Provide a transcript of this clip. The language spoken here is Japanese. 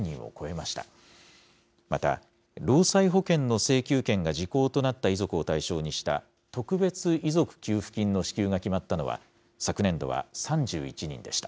また、労災保険の請求権が時効となった遺族を対象にした、特別遺族給付金の支給が決まったのは、昨年度は３１人でした。